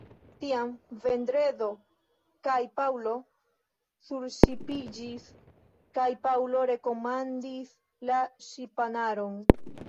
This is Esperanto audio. Tiam Vendredo kaj Paŭlo surŝipiĝis, kaj Paŭlo rekomandis la ŝipanaron.